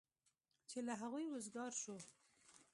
چې له هغوی وزګار شو.